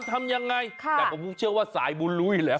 ๑๒๓ทำยังไงแต่ผมเชื่อว่าสายบุรุ้ยแหละ